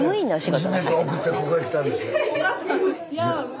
娘送ってここへ来たんですよ。